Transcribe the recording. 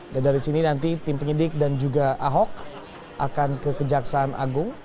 dan dari sini nanti tim penyidik dan juga ahok akan ke kejaksaan agung